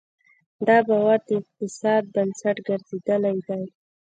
دا باور د اقتصاد بنسټ ګرځېدلی دی.